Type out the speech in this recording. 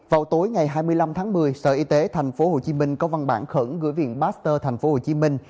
vào tối ngày hai mươi năm tháng một mươi sở y tế tp hcm có văn bản khẩn gửi viện master tp hcm